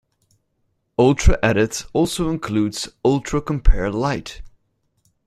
UltraEdit also includes UltraCompare Lite.